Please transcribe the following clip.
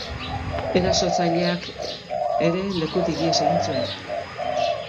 Erasotzaileak ere lekutik ihes egin zuen.